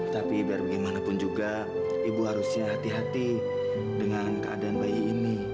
tapi biar bagaimanapun juga ibu harusnya hati hati dengan keadaan bayi ini